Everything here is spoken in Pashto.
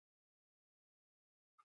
شریفو شخصیتونو څښتنان ول.